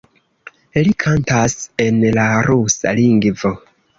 Li kantas en la rusa lingvo.